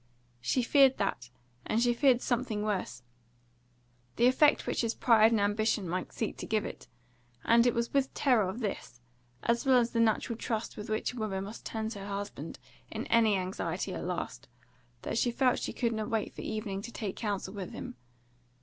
She feared that, and she feared something worse the effect which his pride and ambition might seek to give it; and it was with terror of this, as well as the natural trust with which a woman must turn to her husband in any anxiety at last, that she felt she could not wait for evening to take counsel with him.